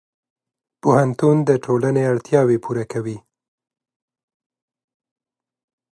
پوهنتون د ټولنې اړتیاوې پوره کوي.